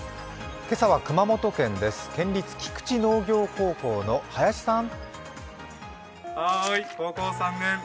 今朝は熊本県です県立菊池農業高校の林さん。